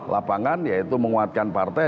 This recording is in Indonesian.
lapangan yaitu menguatkan partai